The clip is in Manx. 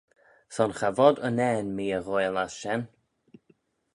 Son cha vod unnane mee y ghoaill ass shen.